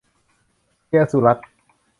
เธียรสุรัตน์